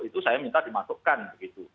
itu saya minta dimasukkan begitu